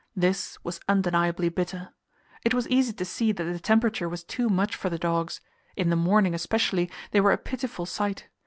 This was undeniably bitter. It was easy to see that the temperature was too much for the dogs; in the morning, especially, they were a pitiful sight.